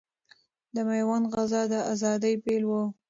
د ميوند غزا د اذادۍ پيل ؤ